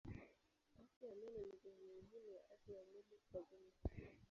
Afya ya meno ni sehemu muhimu ya afya ya mwili kwa jumla.